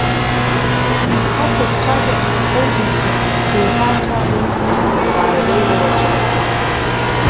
Ҳҭаца дцәажәо ҳаҳахьоу џьушьо, деиҭаацәажәеит аҳҭынуаа иреиуоу аӡәы.